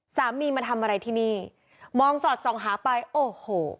มาทำอะไรที่นี่มองสอดส่องหาไปโอ้โห